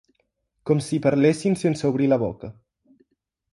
Com si parlessin sense obrir la boca.